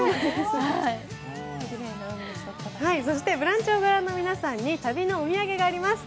「ブランチ」を御覧の皆さんに旅のお土産があります。